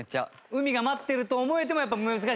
海が待ってると思えてもやっぱ難しい？